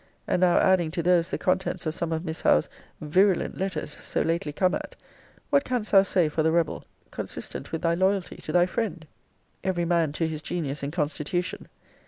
And now adding to those the contents of some of Miss Howe's virulent letters, so lately come at, what canst thou say for the rebel, consistent with thy loyalty to thy friend? Every man to his genius and constitution.